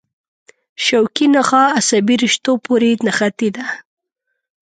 شوکي نخاع عصبي رشتو پورې نښتې ده.